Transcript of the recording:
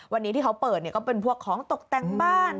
วันนี้ที่เขาเปิดก็เป็นพวกของตกแต่งบ้าน